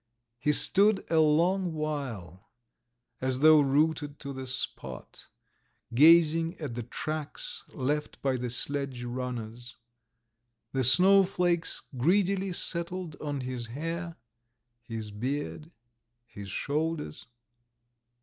He stood a long while as though rooted to the spot, gazing at the tracks left by the sledge runners. The snowflakes greedily settled on his hair, his beard, his shoulders.